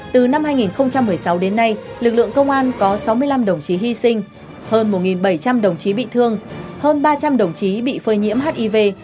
từ năm hai nghìn một mươi sáu đến nay lực lượng công an có sáu mươi năm đồng chí hy sinh hơn một bảy trăm linh đồng chí bị thương hơn ba trăm linh đồng chí bị phơi nhiễm hiv